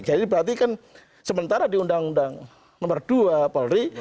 jadi berarti kan sementara di undang undang nomor dua polri